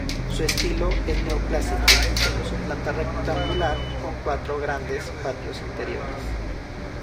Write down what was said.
Su estilo es neoclásico, siendo su planta rectangular, con cuatro grandes patios interiores.